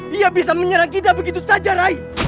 dia bisa menyerang kita begitu saja rai